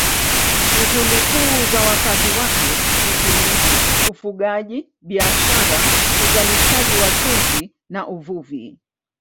Shughuli kuu za wakazi wake ni kilimo, ufugaji, biashara, uzalishaji wa chumvi na uvuvi.